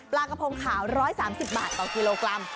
กระพงขาว๑๓๐บาทต่อกิโลกรัม